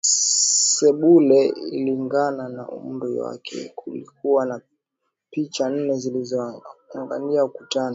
Sebule ililingana na umri wake kulikuwa na picha nne zilizoninginia ukutani